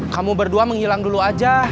kamu berdua menghilang dulu aja